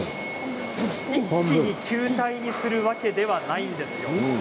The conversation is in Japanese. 一気に球体にするわけではないんですよ。